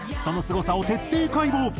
そのすごさを徹底解剖。